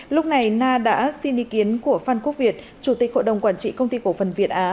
lúc này na đã xin ý kiến của phan quốc việt chủ tịch hội đồng quản trị công ty cổ phần việt á